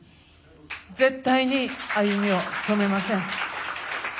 絶対に歩みを止めません。